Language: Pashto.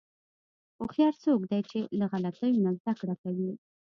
هوښیار څوک دی چې له غلطیو نه زدهکړه کوي.